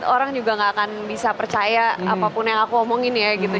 orang juga gak akan bisa percaya apapun yang aku omongin ya gitu